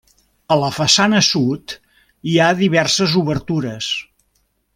A la façana sud, hi ha diverses obertures.